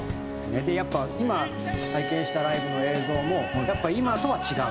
やっぱ今拝見したライブの映像もやっぱ今とは違うし。